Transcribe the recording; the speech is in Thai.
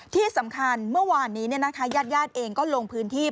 ที่สำคัญเมื่อวานนี้ญาติเองก็ลงพื้นที่